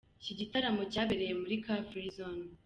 Iki gitaramo cyabereye muri Car Free zone.